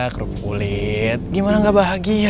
kerup kulit gimana nggak bahagia